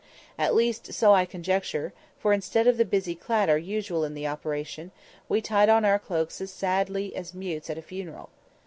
At least, so I conjecture; for, instead of the busy clatter usual in the operation, we tied on our cloaks as sadly as mutes at a funeral.